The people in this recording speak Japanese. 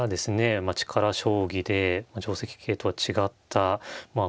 力将棋で定跡形とは違ったまあ